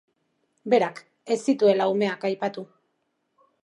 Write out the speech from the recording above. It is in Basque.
Berak, ez zituela umeak aipatu.